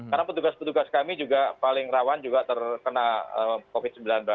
karena petugas petugas kami juga paling rawan juga terkena covid sembilan belas